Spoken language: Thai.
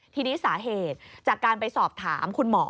ทีนี้สาเหตุจากการไปสอบถามคุณหมอ